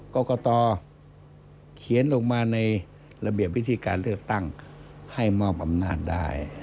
กรกตเขียนลงมาในระเบียบวิธีการเลือกตั้งให้มอบอำนาจได้